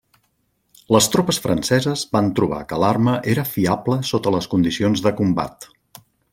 Les tropes franceses van trobar que l'arma era fiable sota les condicions de combat.